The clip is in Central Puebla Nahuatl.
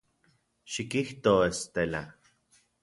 Xikijto, Estela.